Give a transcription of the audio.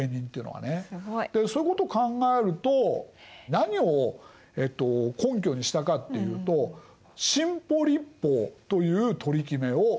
すごい！でそういうことを考えると何を根拠にしたかっていうと新補率法という取り決めを使いました。